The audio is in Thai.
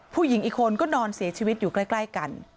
ผู้หญิงอีกคนก็นอนเสียชีวิตอยู่ใกล้กัน